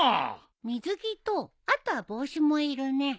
水着とあとは帽子もいるね。